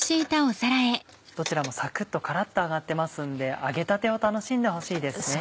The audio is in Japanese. どちらもサクっとカラっと揚がってますんで揚げたてを楽しんでほしいですね。